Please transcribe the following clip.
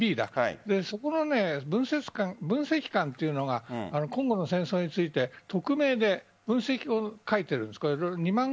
そこの分析官というのが今度の戦争について匿名で分析を書いているんです。